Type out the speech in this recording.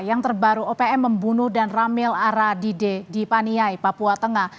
yang terbaru opm membunuh dan ramil aradide di paniai papua tengah